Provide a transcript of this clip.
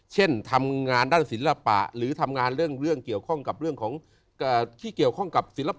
เช่นทำงานด้านศิลปะหรือทำงานเรื่องคราวจริง